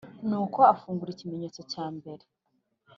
Nuko afungura ikimenyetso cya mbere